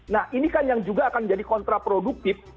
nah ini kan yang juga akan menjadi kontraproduktif